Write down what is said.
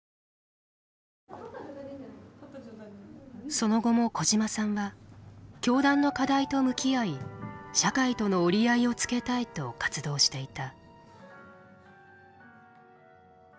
その後も小嶌さんは教団の課題と向き合い社会との折り合いをつけたいと活動していた。